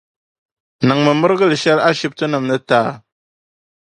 Niŋmi mirigi'shɛli ashibitinim ni ti a.